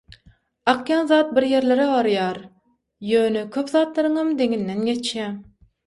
Akýan zat bir ýerlere barýar, ýöne köp zatlaryňam deňinden geçýär.